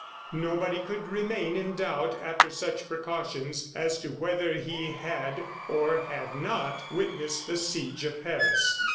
Nobody could remain in doubt, after such precautions, as to whether he had or had not witnessed the siege of Paris.